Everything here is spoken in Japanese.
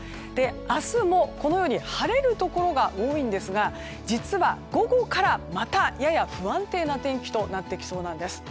明日もこのように晴れるところが多いんですが実は、午後からまたやや不安定な天気となってきそうです。